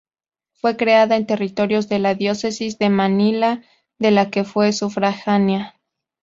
Fue creada en territorios de la diócesis de Manila, de la que fue sufragánea.